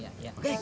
seperti apa nih